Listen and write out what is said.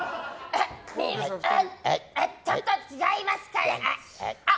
ちょっと違いますかね。